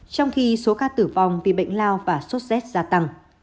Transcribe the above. trong khi số ca tử vong vì bệnh lao và xuất xét gia tăng